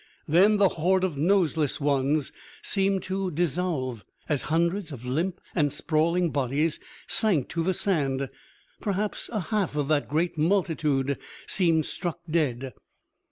Then the horde of noseless ones seemed to dissolve, as hundreds of limp and sprawling bodies sank to the sand. Perhaps a half of that great multitude seemed struck dead.